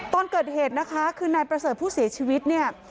ตอนเกิดเหตุนะคะคือนายประเสริฐผู้เสียชีวิตเนี่ย